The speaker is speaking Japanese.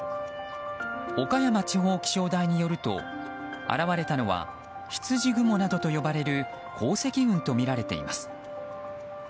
岡山地方気象台によると現れたのはひつじ雲などと呼ばれる高積雲とみられています。